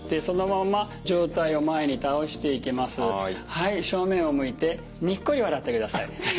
はい正面を向いてにっこり笑ってください。